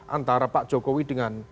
antara pak jokowi dengan